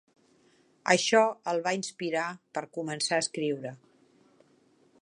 Això el va inspirar per començar a escriure.